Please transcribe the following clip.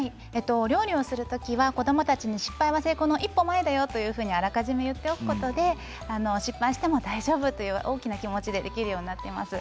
料理をするときに子どもたちに、失敗は成功の一歩前だよと言っておくことで失敗しても大丈夫という大きな気持ちでできるようになってきます。